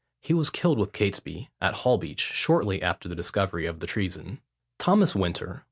He was killed with Catesby, at Holbeach, shortly after the discovery of the treason. THOMAS WINTER.